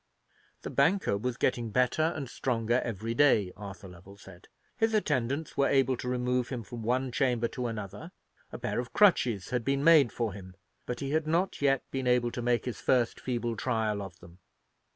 The banker was getting better and stronger every day, Arthur Lovell said. His attendants were able to remove him from one chamber to another; a pair of crutches had been made for him, but he had not yet been able to make his first feeble trial of them.